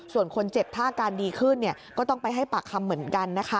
ส่วนคนเจ็บถ้าอาการดีขึ้นก็ต้องไปให้ปากคำเหมือนกันนะคะ